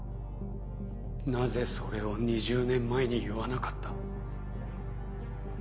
なぜそれを２０年前に言わなかった？